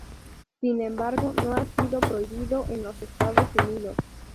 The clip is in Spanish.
Sin embargo, no ha sido prohibido en los Estados Unidos.